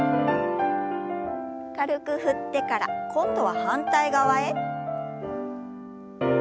軽く振ってから今度は反対側へ。